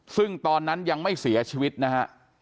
ซึ่งตอนนั้นยังไม่เสียชีวิตนะฮะ